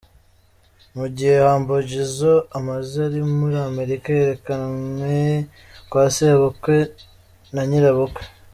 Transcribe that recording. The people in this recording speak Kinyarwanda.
Mu gihe Humble Jizzo amaze ari muri Amerika yerekanywe kwa sebukwe na Nyirabukwe.